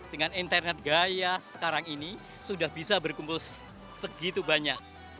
dengan internet gaya sekarang ini sudah bisa berkumpul segitu banyak